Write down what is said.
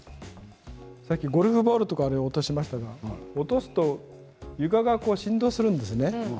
さっきゴルフボールとか落としましたけれども床が振動をするんですね。